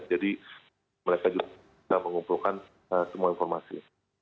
jadi mereka juga sudah mengumpulkan semua informasi